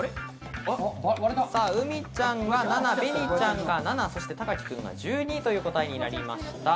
うみちゃん７、べにちゃん７、たかき君が１２という答えになりました。